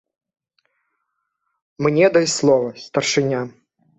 - Мне дай слова, старшыня!